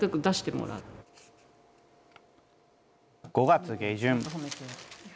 ５月下旬。